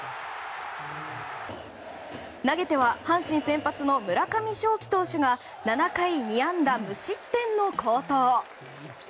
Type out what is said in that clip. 投げては阪神先発の村上頌樹投手が７回２安打無失点の好投。